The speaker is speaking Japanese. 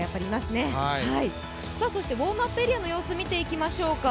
そしてウォームアップエリアの様子、見ていきましょうか。